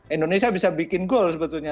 indonesia bisa bikin goal sebetulnya